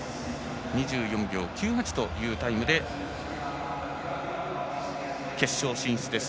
２４秒９８というタイムで決勝進出です。